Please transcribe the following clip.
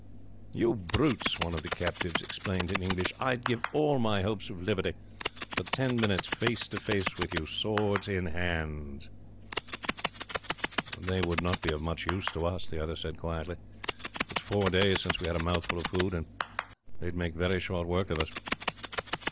"You brutes!" one of the captives exclaimed, in English. "I would give all my hopes of liberty, for ten minutes face to face with you, with swords in our hands." "They would not be of much use to us," the other said quietly. "It is four days since we had a mouthful of food, and they would make very short work of us."